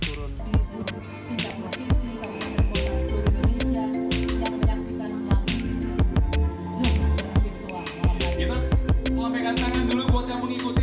luar biasa jauh di mata di hati hati